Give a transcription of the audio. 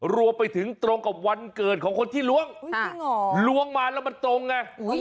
รวมไปถึงตรงกับวันเกิดของคนที่ล้วงล้วงมาแล้วมันตรงไง